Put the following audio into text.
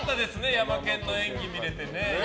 ヤマケンの演技見れて。